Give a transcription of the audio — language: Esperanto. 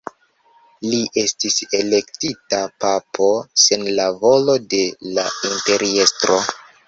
Li estis elektita papo sen la volo de la imperiestro.